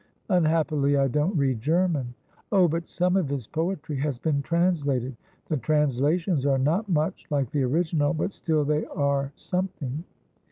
' Unhappily I don't read G erman.' ' Oh, but some of his poetry has been translated. The trans lations are not much like the original, but still they are some thing.'